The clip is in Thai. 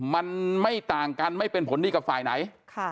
มันไม่ต่างกันไม่เป็นผลดีกับฝ่ายไหน